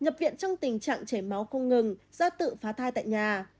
nhập viện trong tình trạng chảy máu không ngừng do tự phá thai tại nhà